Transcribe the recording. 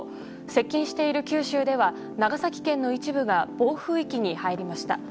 接近している九州では長崎県の一部が暴風域に入りました。